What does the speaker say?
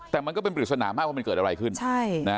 แต่มันก็เป็นปริศนามากว่ามันเกิดอะไรขึ้นใช่นะ